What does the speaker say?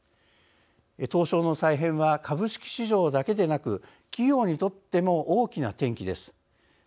東証の再編は株式市場だけでなく企業にとっても、大きな転機です。